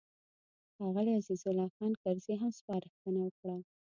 ښاغلي عزیز الله خان کرزي هم سپارښتنه وکړه.